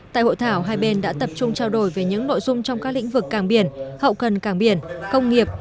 tại hội thảo hai bên đã tập trung trao đổi về những nội dung trong các lĩnh vực càng biển hậu cần cảng biển công nghiệp